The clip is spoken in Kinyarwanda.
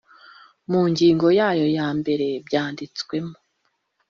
mu ngingo yayo ya mbere byanditsemo